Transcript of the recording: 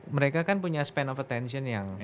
mereka kan punya span of attention yang